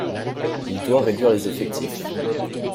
Il doit réduire les effectifs.